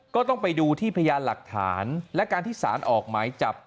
ก็ต้องไปดูที่พยานหลักฐานและการที่สารออกหมายจับ